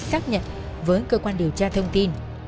xác nhận với cơ quan điều tra thông tin